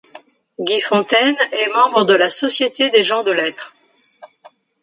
Guy Fontaine est membre de la Société des Gens de Lettres.